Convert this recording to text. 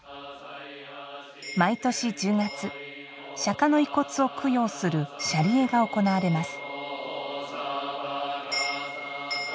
毎年１０月、釈迦の遺骨を供養する舎利会が行われます。